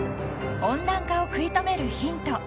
［温暖化を食い止めるヒント］